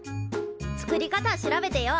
作り方調べてよ。